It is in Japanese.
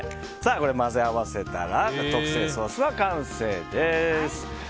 混ぜ合わせたら特製ソースは完成です。